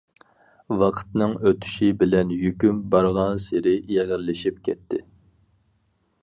ۋاقىتنىڭ ئۆتۈشى بىلەن يۈكۈم بارغانسېرى ئېغىرلىشىپ كەتتى.